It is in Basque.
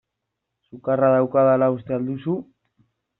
Sukarra daukadala uste al duzu?